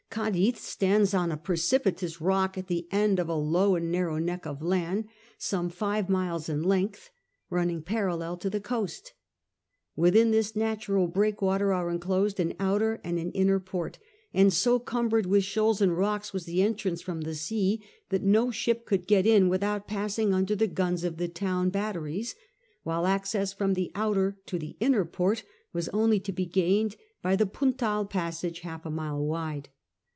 Cadiz stands on a precipitous rock at the end of a low and narrow neck of land, some five miles in length, running parallel to the coast Within this natural breakwater are enclosed an outer and an inner port, and so cumbered with shoals and rocks was the entrance from the sea that no ship could get in without passing under the guns of the town batteries, while access from the outer to the inner port was only to be gained by the Puntal passage half a mile wide.